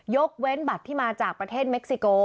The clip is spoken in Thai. ยกเว้นบัตรที่มาจากประเทศเม็กซิโก